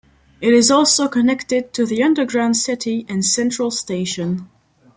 It is also connected to the underground city and Central Station.